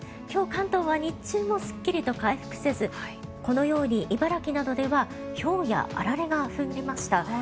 今日、関東は日中もすっきりと回復せずこのように茨城などではひょうやあられが降りました。